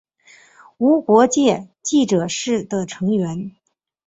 无国界记者是的成员。